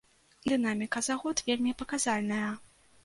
Дынаміка за год вельмі паказальная.